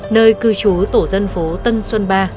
nơi cư trú tổ dân phố tân xuân ba